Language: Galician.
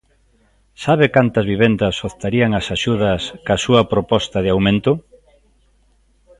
¿Sabe cantas vivendas optarían ás axudas coa súa proposta de aumento?